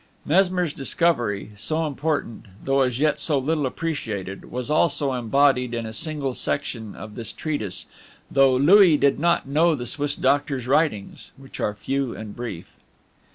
Mesmer's discovery, so important, though as yet so little appreciated, was also embodied in a single section of this treatise, though Louis did not know the Swiss doctor's writings which are few and brief.